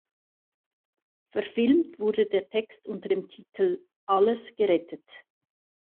Verfilmt wurde der Text unter dem Titel „Alles gerettet.